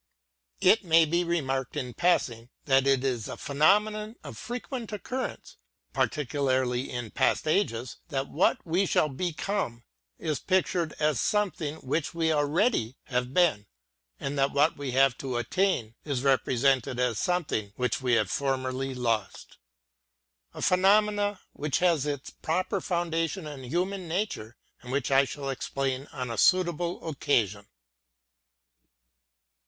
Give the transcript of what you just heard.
(It may be remarked in passing, that it is a phenomenon of frequent occurrence, particularly in past ages, that what we shall be come, is pictured as something which we already have been ; and that what we have to attain is represented as something which we have formerly lost : a phenomenon which has its proper foundation in human nature, and which I shall explain on a suitable occasion.)